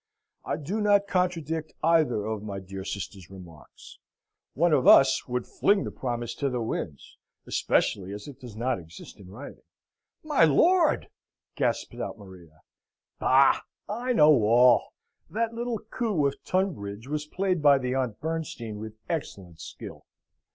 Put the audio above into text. "I do not contradict either of my dear sister's remarks. One of us would fling the promise to the winds, especially as it does not exist in writing." "My lord!" gasps out Maria. "Bah! I know all. That little coup of Tunbridge was played by the Aunt Bernstein with excellent skill.